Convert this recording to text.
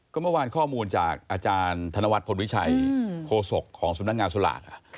ก็เมื่อวานข้อมูลจากอาจารย์ธนวัฒนพลวิชัยโคศกของสำนักงานสลาก